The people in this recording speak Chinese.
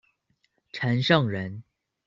陈胜人。